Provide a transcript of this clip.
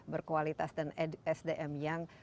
berkualitas dan sdm yang